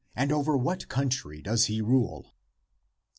and over what country does he rule?